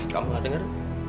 kamu gak denger